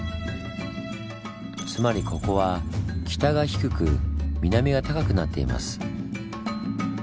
つまりここは北が低く南が高くなっています。